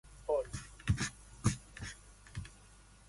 Datta regularly provides treatment to his patients at Green Life Hospital.